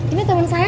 ini temen saya